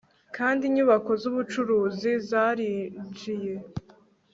kandi inyubako zubucuruzi zarinjiye